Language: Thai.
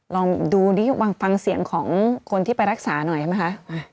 ลองดูนี่ฟังเสียงของคนที่ไปรักษาหน่อยนะคะ